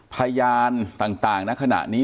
พยานต่างณขณะนี้